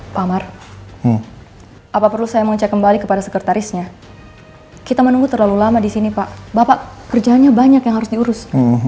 pak amar apa perlu saya mengecek kembali kepada sekretarisnya kita menunggu terlalu lama disini pak bapak kerjanya banyak yang harus diurus